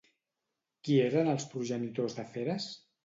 Qui eren els progenitors de Feres?